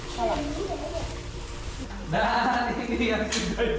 nah ini yang sudah dibentuk